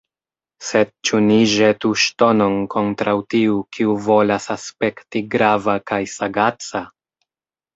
Sed ĉu ni ĵetu ŝtonon kontraŭ tiu, kiu volas aspekti grava kaj sagaca?